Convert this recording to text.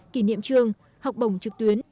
kỷ niệm trường học bổng trực tuyến